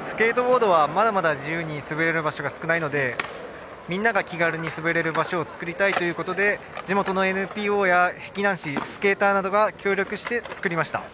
スケートボードはまだまだ自由に滑れる場所が少ないのでみんなが気軽に滑れる場所を作りたいということで地元のＮＰＯや碧南市スケーターなどが協力して作りました。